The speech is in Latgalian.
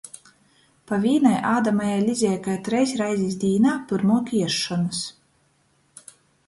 Pa vīnai ādamajai lizeikai treis reizis dīnā pyrmuok iesšonys.